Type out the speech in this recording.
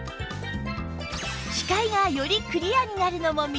視界がよりクリアになるのも魅力！